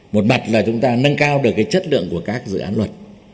một mặt là chúng ta nâng cao được chất lượng của các dự án luật